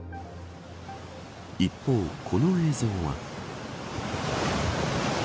一方、この映像は。